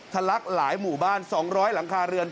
ลักหลายหมู่บ้าน๒๐๐หลังคาเรือน